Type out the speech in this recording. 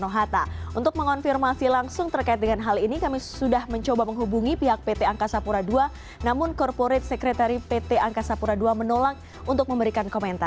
halo selamat malam teman teman